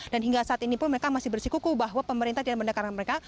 dan hingga saat ini pun mereka masih bersikuku bahwa pemerintah tidak mendengarkan mereka